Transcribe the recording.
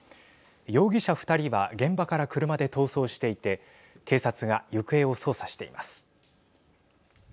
容疑者２人は現場から車で逃走していて警察が行方を捜査しています。